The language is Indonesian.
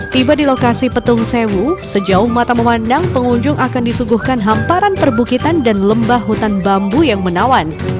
tiba di lokasi petung sewu sejauh mata memandang pengunjung akan disuguhkan hamparan perbukitan dan lembah hutan bambu yang menawan